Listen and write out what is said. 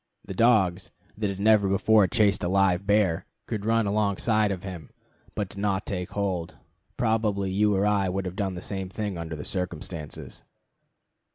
The dogs, that had never before chased a live bear, could run alongside of him, but did not take hold. Probably you or I would have done the same thing under the circumstances.